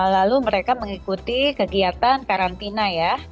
lalu mereka mengikuti kegiatan karantina ya